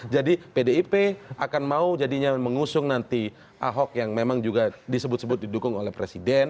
jadi pdip akan mau jadinya mengusung nanti ahok yang memang juga disebut sebut didukung oleh presiden